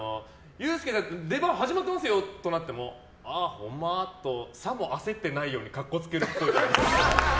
ユースケさん出番始まってますよ！ってなってもああ、ほんま？とさも焦ってないように格好つけるっぽい。